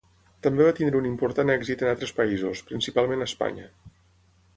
També va tenir un important èxit en altres països, principalment a Espanya.